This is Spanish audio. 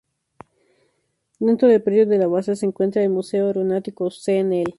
Dentro del predio de la base se encuentra el Museo Aeronáutico Cnel.